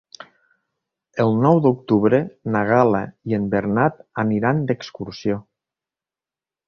El nou d'octubre na Gal·la i en Bernat aniran d'excursió.